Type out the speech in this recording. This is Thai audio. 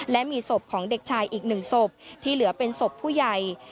และมีศพของเด็กชายอีกหนึ่งศพที่เหลือเป็นศพผู้ใหญ่